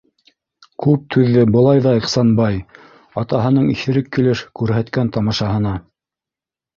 Күп түҙҙе былай ҙа Ихсанбай атаһының иҫерек килеш күрһәткән тамашаһына.